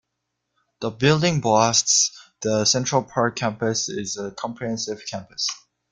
The building boasts The Central Park Campus is a comprehensive campus.